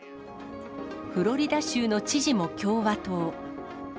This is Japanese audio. フロリダ州の知事も共和党。